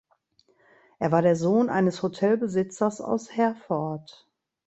Er war der Sohn eines Hotelbesitzers aus Herford.